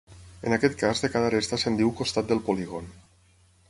En aquest cas de cada aresta se'n diu costat del polígon.